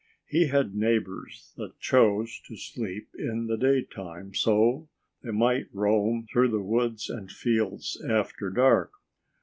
He had neighbors that chose to sleep in the daytime, so they might roam through the woods and fields after dark.